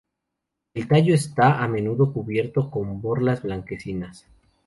El tallo está a menudo cubierto con borlas blanquecinas.